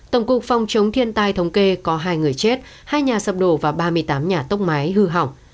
tổng cục phòng chống thiên tai thống kê có hai người chết hai nhà sập đổ và ba mươi tám nhà tốc máy hư hỏng